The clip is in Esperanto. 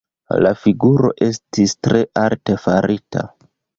La figuro estis tre arte farita.